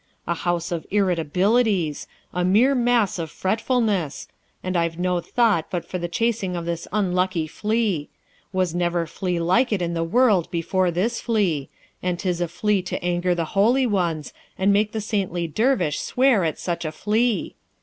a house of irritabilities! a mere mass of fretfulness! and I've no thought but for the chasing of this unlucky flea: was never flea like it in the world before this flea; and 'tis a flea to anger the holy ones, and make the saintly Dervish swear at such a flea.'